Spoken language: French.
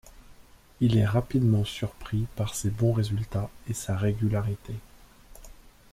Il est rapidement surpris par ses bons résultats et sa régularité.